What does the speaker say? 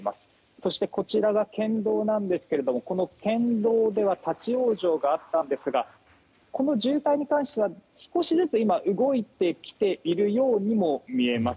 そしてこちらが県道なんですが県道では立ち往生があったんですがこの渋滞に関しては少しずつ動いてきているようにも見えます。